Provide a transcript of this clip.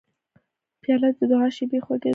پیاله د دعاو شېبې خوږوي.